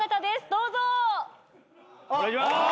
どうぞ。